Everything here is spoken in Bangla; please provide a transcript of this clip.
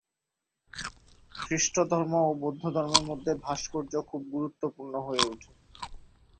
খ্রিষ্টধর্ম ও বৌদ্ধধর্মের মধ্যে ভাস্কর্য খুব গুরুত্বপূর্ণ হয়ে ওঠে।